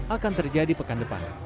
akan terjadi pekan depan